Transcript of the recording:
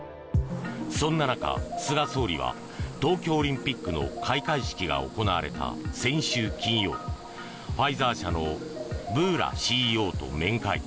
そんな中、菅総理は東京オリンピックの開会式が行われた先週金曜ファイザー社のブーラＣＥＯと面会。